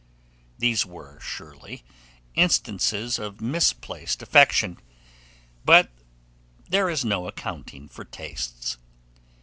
These were, surely, instances of misplaced affection; but there is no accounting for tastes.